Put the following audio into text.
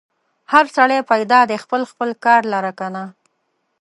هر سړی پیدا دی خپل خپل کار لره کنه.